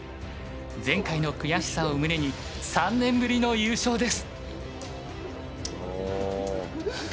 前回の悔しさを胸に３年ぶりの優勝です。